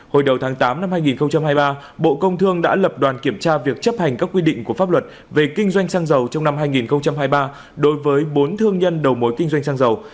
hồi đầu tháng tám năm hai nghìn hai mươi ba bộ công thương đã lập đoàn kiểm tra việc chấp hành các quy định của pháp luật về kinh doanh xăng dầu trong năm hai nghìn hai mươi ba đối với bốn thương nhân đầu mối kinh doanh xăng dầu